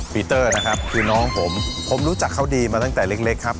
ปีเตอร์นะครับคือน้องผมผมรู้จักเขาดีมาตั้งแต่เล็กครับ